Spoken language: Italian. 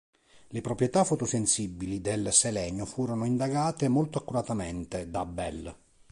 Le proprietà fotosensibili del selenio furono indagate molto accuratamente da Bell.